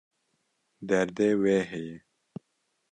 Derdê wê heye.